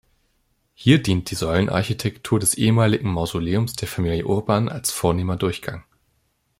Hier dient die Säulenarchitektur des ehemaligen Mausoleums der Familie Urban als vornehmer Durchgang.